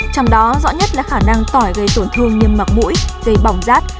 trong đó rõ nhất là khả năng tỏi gây tổn thương nhâm mặt mũi gây bỏng rát